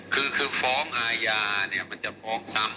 คือฟ้องอาญาเนี่ยมันจะฟ้องซ้ำ